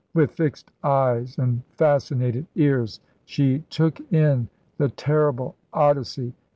With fixed eyes and fascinated ears she took in the terrible Odyssey.